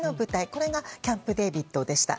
これがキャンプ・デービッドでした。